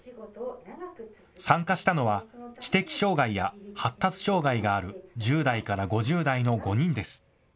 参加したのは知的障害や発達障害がある１０代から５０代の５人です。